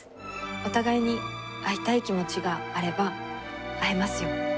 お互いに会いたい気持ちがあれば会えますよ。